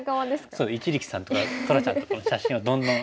そう一力さんとか虎ちゃんとかの写真をどんどん。